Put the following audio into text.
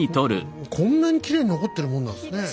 こんなにきれいに残ってるもんなんですね。